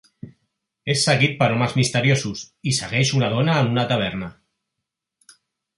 És seguit per homes misteriosos, i segueix una dona en una taverna.